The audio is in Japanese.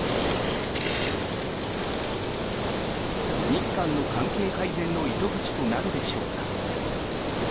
日韓の関係改善の糸口となるでしょうか。